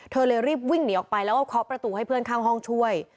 เลยรีบวิ่งหนีออกไปแล้วก็เคาะประตูให้เพื่อนข้างห้องช่วย